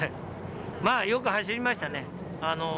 まぁ、よく走りましたね。